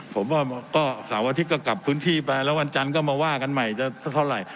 ผมว่าก็เสาร์อาทิตย์ก็กลับพื้นที่ไปแล้ววันจันทร์ก็มาว่ากันใหม่จะสักเท่าไหร่